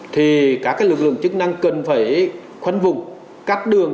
thì các lực lượng chức năng cần phải khoanh vùng cắt đường